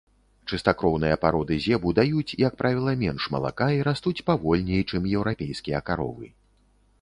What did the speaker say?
Чыстакроўныя пароды зебу даюць, як правіла, менш малака і растуць павольней, чым еўрапейскія каровы.